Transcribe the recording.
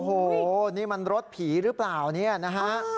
โอ้โฮนี่มันรถผีหรือเปล่านะฮะ